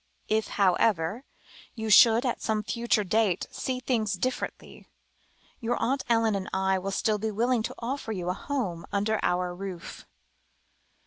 If, however, you should, at some future date, see things differently, your Aunt Ellen and I will still be willing to offer you a home under our roof."